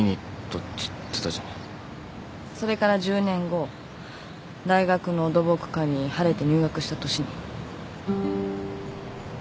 それから１０年後大学の土木科に晴れて入学した年に。